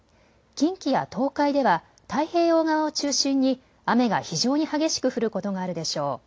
近畿や東海では太平洋側を中心に雨が非常に激しく降ることがあるでしょう。